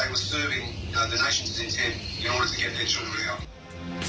พวกเขาเจอให้กลับมาอยู่มาแล้วเขาเชื่อว่า